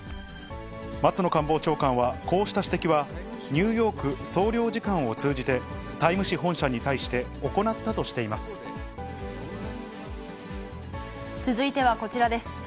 松野官房長官は、こうした指摘はニューヨーク総領事館を通じて、タイム誌本社に対続いてはこちらです。